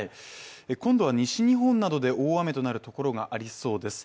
今度は西日本などで大雨となるところがありそうです。